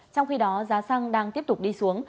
trong khi đó giá xăng đang tiếp tục đi xuống